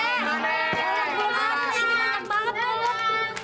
ini banyak banget kolak